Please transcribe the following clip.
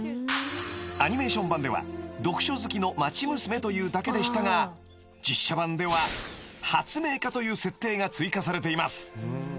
［アニメーション版では読書好きの町娘というだけでしたが実写版では発明家という設定が追加されています］